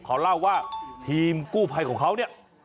เขาเล่าว่าทีมกู้ภัยของเขาเนี่ย